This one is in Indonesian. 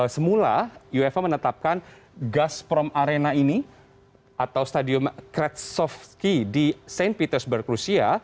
semula uefa menetapkan gazprom arena ini atau stadion kretsovski di st petersburg rusia